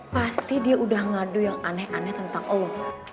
pasti dia udah ngadu yang aneh aneh tentang allah